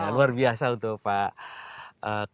luar biasa untuk pak